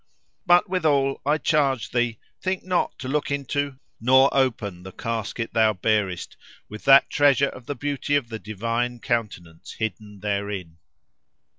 But withal, I charge thee, think not to look into, nor open, the casket thou bearest, with that treasure of the beauty of the divine countenance hidden therein."